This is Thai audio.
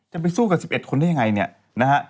จะไปสู้กับ๑๑คนได้ยังไงเนี่ยนะฮะ